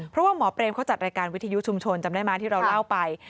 เพราะว่าหมอเปรมเขาจัดรายการวิทยุชุมชนจำได้ไหมที่เราเล่าไป